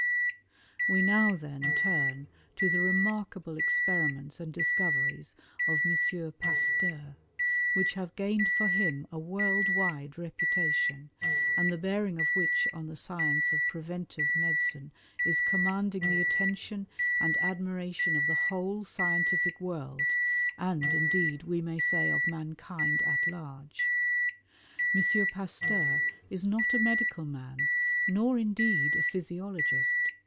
We now, then, turn to the remarkable experiments and discoveries of M. Pasteur, which have gained for him a world wide reputation, and the bearing of which on the science of preventive medicine is commanding the attention and admiration of the whole scientific world, and indeed we may say of mankind at large. M. Pasteur is not a medical man, nor, indeed, a physiologist.